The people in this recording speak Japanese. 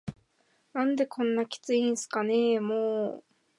「何でこんなキツいんすかねぇ～も～…」